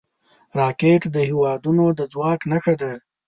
راکټ د هیوادونو د ځواک نښه ده